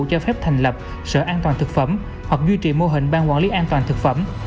cho phép thành lập sở an toàn thực phẩm hoặc duy trì mô hình ban quản lý an toàn thực phẩm